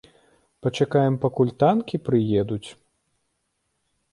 Пачакаем пакуль танкі прыедуць???